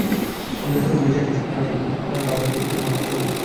আমি যতক্ষণ বেঁচে আছি সংসারকে আমার পাপ নানা দিক থেকে মারতে থাকবে।